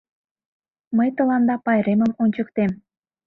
Мый тыланда пайремым ончыктем!